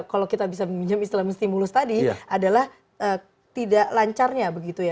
kalau kita bisa menyebutnya istilahnya stimulus tadi adalah tidak lancarnya begitu ya